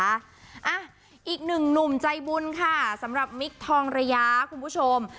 อ่ะอีกหนึ่งหนุ่มใจบุญค่ะสำหรับมิคทองระยะคุณผู้ชม